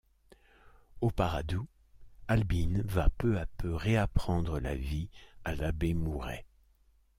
Au Paradou, Albine va peu à peu réapprendre la vie à l’abbé Mouret.